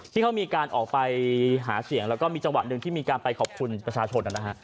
ที่เขามีการออกไปหาเสียงแล้วก็มีจังหวะหนึ่งที่มีการไปขอบคุณประชาชนนะฮะ